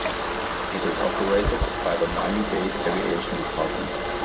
It is operated by the Miami-Dade Aviation Department.